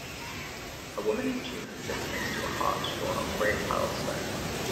A woman in jeans sits next to a heart drawn on gray tiled stone.